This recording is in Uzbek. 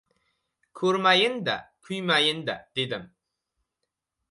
Ko‘rmayin-da, kuymayin-da, dedim.